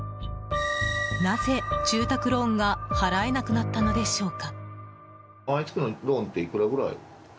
なぜ住宅ローンが払えなくなったのでしょうか？